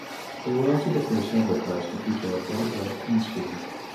They were also the first subway cars to feature a bright red paint scheme.